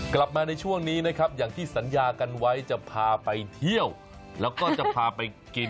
กลับมาในช่วงนี้นะครับอย่างที่สัญญากันไว้จะพาไปเที่ยวแล้วก็จะพาไปกิน